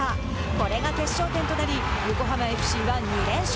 これが決勝点となり横浜ＦＣは２連勝。